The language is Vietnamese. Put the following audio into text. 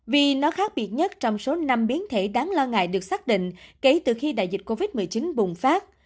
vì nó khác biệt nhất trong số năm biến thể đáng lo ngại được xác định kể từ khi đại dịch covid một mươi chín bùng phát